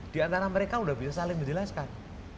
di antara mereka sudah bisa saling menjelaskan